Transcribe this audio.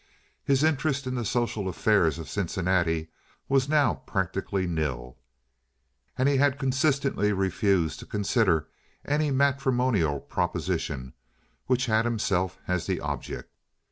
His interest in the social affairs of Cincinnati was now practically nil, and he had consistently refused to consider any matrimonial proposition which had himself as the object.